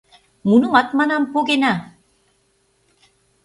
Мунымат, манам, погена.